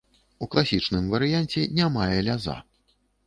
У класічным варыянце не мае ляза.